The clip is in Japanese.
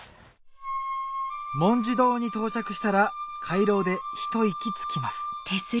文殊堂に到着したら回廊で一息つきます